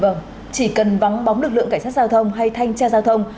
vâng chỉ cần vắng bóng lực lượng cảnh sát giao thông hay thanh tra giao thông